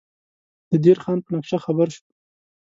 د دیر خان په نقشه خبر شو.